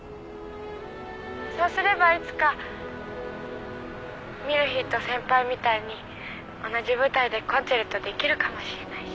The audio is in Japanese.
そうすればいつかミルヒーと先輩みたいに同じ舞台でコンチェルトできるかもしれないし。